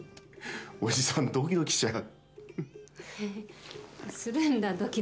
おじさん、ドキドキしちゃう。